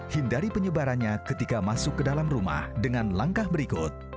hindari penyebarannya ketika masuk ke dalam rumah dengan langkah berikut